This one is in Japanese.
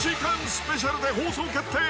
スペシャルで放送決定